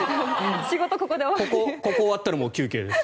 ここ終わったらもう休憩です。